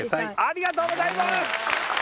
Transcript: ありがとうございます！